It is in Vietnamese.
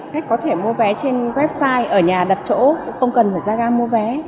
khách có thể mua vé trên website ở nhà đặt chỗ không cần phải ra ga mua vé